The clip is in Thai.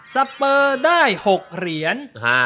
สเปอร์ได้๖เหรียญ